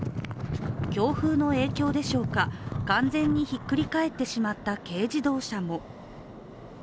強風の影響でしょうか完全にひっくり返ってしまった軽乗用車も。